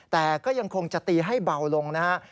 แต่ก็ยังคงจะตีให้เบาลงนะฮะ